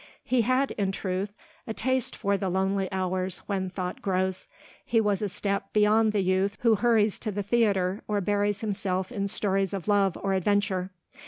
He had, in truth, a taste for the lonely hours when thought grows. He was a step beyond the youth who hurries to the theatre or buries himself in stories of love or adventure.